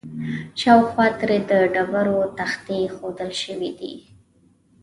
شاوخوا ترې د ډبرو تختې ایښودل شوي دي.